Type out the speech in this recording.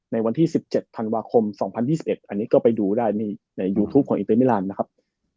ในวันที่๑๗ธันวาคม๒๐๒๑อันนี้ก็ไปดูได้ในยูทูปของอินเตอร์มิลานนะครับ